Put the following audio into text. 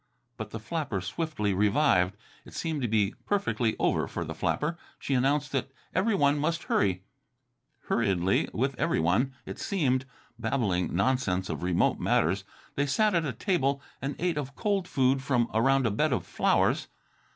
But the flapper swiftly revived. It seemed to be perfectly over for the flapper. She announced that every one must hurry. Hurriedly, with every one, it seemed, babbling nonsense of remote matters, they sat at a table, and ate of cold food from around a bed of flowers.